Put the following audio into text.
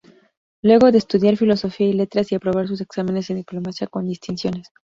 Luego de estudiar Filosofía y Letras y aprobar sus exámenes en Diplomacia con distinciones.